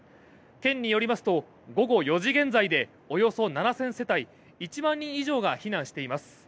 県によりますと、午後４時現在でおよそ７０００世帯１万人以上が避難しています。